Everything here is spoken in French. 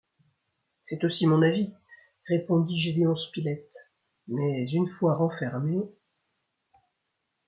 C’est aussi mon avis, répondit Gédéon Spilett ; mais une fois renfermés...